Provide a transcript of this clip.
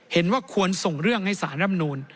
เห็นว่าควรส่งเรื่องให้สารร่ำนูน